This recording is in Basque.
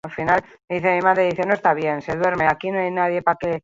Garapen bidean dagoen herri baten ezaugarriak ditu Papua Ginea Berriak.